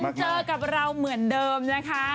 เจอกับเราเหมือนเดิมนะคะ